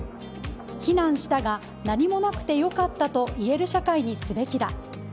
避難したが何もなくて良かったと言える社会にすべきだ。